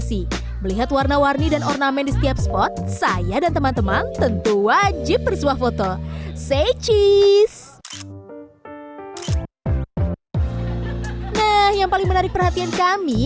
saya dan teman teman tentu wajib bersuah foto say cheese nah yang paling menarik perhatian kami